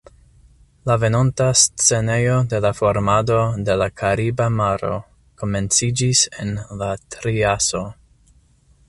La venonta scenejo de la formado de la Kariba maro komenciĝis en la Triaso.